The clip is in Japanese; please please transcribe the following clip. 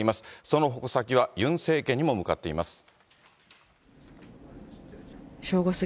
その矛先はユン政権にも向かっています。